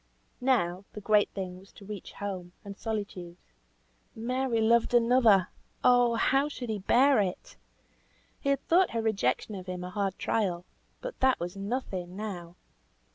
Now, the great thing was to reach home, and solitude. Mary loved another! Oh! how should he bear it? He had thought her rejection of him a hard trial, but that was nothing now.